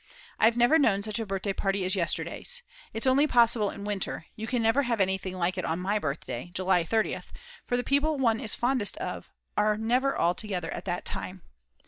I've never known such a birthday party as yesterday's. It's only possible in winter; you can never have anything like it on my birthday, July 30th, for the people one is fondest of are never all together at that time.